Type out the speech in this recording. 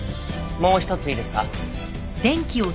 もう一ついいですか？